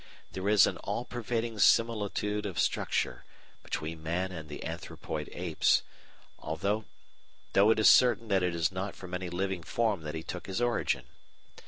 There is an "all pervading similitude of structure," between man and the Anthropoid Apes, though it is certain that it is not from any living form that he took his origin.